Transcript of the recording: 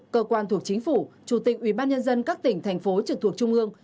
cơ quan thuộc chính phủ chủ tịch ubnd các tỉnh thành phố trực thuộc trung ương